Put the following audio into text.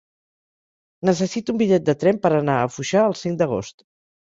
Necessito un bitllet de tren per anar a Foixà el cinc d'agost.